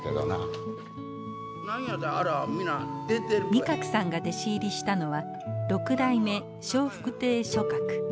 仁鶴さんが弟子入りしたのは六代目笑福亭松鶴。